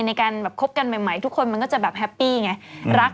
ในการแบบคบกันใหม่ทุกคนมันก็จะแบบแฮปปี้ไงรัก